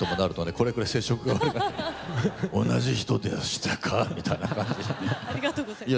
これぐらい接触が悪くなって「同じ人でしたか？」みたいな。ありがとうございます。